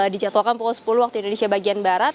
dijadwalkan pukul sepuluh waktu indonesia bagian barat